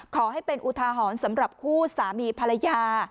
ขอให้เป็นอุทาหรณ์สำหรับคู่สามีภรรยา